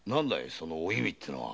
そのお弓ってのは？